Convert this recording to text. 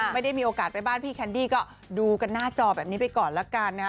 ไม่ได้มีโอกาสไปบ้านพี่แคนดี้ก็ดูกันหน้าจอแบบนี้ไปก่อนละกันนะฮะ